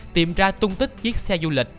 tìm ra tung tích chiếc xe du lịch